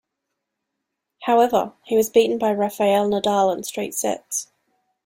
However, he was beaten by Rafael Nadal in straight sets.